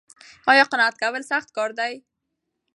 ایا قناعت کول سخت کار دی؟